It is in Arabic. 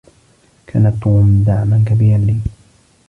كان توم دعما كبيرا لي.